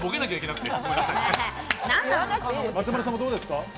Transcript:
松丸さんはどうですか？